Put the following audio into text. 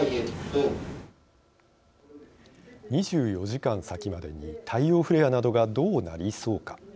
２４時間先までに太陽フレアなどがどうなりそうか。